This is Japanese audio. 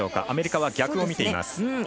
アメリカは逆を見ています。